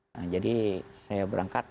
nah jadi saya berangkat